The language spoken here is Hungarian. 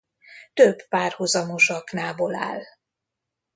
Több párhuzamos aknából áll.